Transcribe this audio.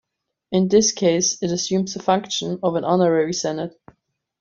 In this case it assumes the function of an honorary senate.